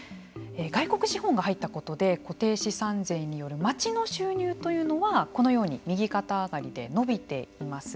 外国資本が入ったことで固定資産税による町の収入というのはこのように右肩上がりで伸びています。